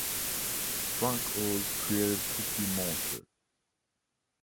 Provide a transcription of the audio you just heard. Frank Oz created Cookie Monster.